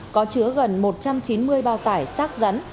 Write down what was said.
có chứa gần một trăm chín mươi bao tải xác rắn